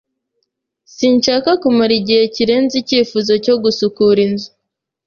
Sinshaka kumara igihe kirenze icyifuzo cyo gusukura inzu.